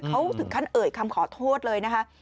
เขาถึงขั้นเอ่ยคำขอโทษเลยนะคะ